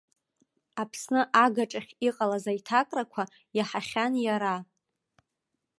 Аԥсны агаҿахь иҟалаз аиҭакрақәа иаҳахьан иара.